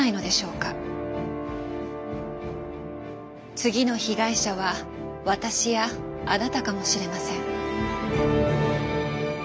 次の被害者は私やあなたかもしれません。